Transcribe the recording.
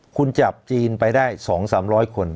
คุณจับจีนไปได้๒๓๐๐คน